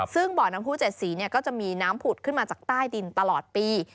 ซึ่งบ่อน้ำผู้๗สีก็จะมีน้ำผุดขึ้นมาจากใต้ดินตลอดปี